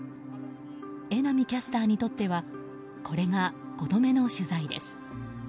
榎並キャスターにとってはこれが５度目の取材です。